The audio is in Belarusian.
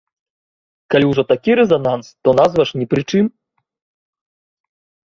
Калі ўжо такі рэзананс, то назва ж ні пры чым.